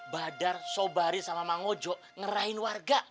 badar sobari sama mang ojo ngerahin warga